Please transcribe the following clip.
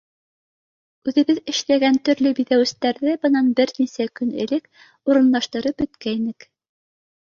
Үҙебеҙ эшләгән төрлө биҙәүестәрҙе бынан бер нисә көн элек урынлаштырып бөткәйнек.